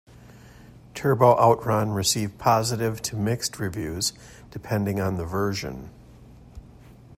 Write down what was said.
"Turbo Outrun" received positive to mixed reviews, depending on the version.